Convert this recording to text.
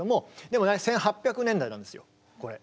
でもね１８００年代なんですよこれ。